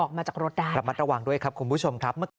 ออกมาจากรถได้ค่ะประมาทระวังด้วยครับคุณผู้ชมครับ